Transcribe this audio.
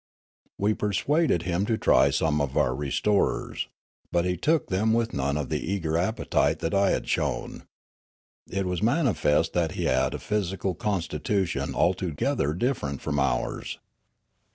We persuaded him to try some of our restorers ; but he took them with none of the eager appetite that I had shown. It was manifest that he had a physical constitution altogether different from ours.